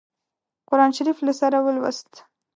قرآن شریف له سره ولووست.